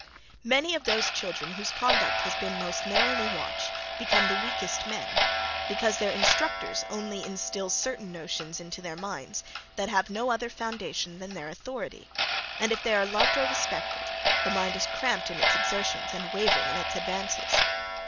Many of those children whose conduct has been most narrowly watched, become the weakest men, because their instructors only instill certain notions into their minds, that have no other foundation than their authority; and if they are loved or respected, the mind is cramped in its exertions and wavering in its advances.